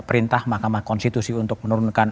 perintah mahkamah konstitusi untuk menurunkan